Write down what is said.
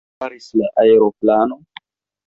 Kion faris la aeroplano?